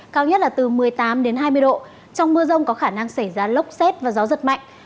cao nhất là từ một mươi tám đến hai mươi độ trong mưa rông có khả năng xảy ra lốc xét và gió giật mạnh